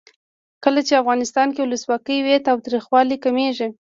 کله چې افغانستان کې ولسواکي وي تاوتریخوالی کمیږي.